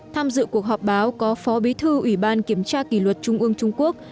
tham dự cuộc họp báo có phó bí thư ủy ban kiểm tra kỷ luật trung ương trung quốc